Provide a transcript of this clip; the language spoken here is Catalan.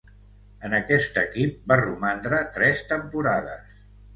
En aquest equip va romandre tres temporades.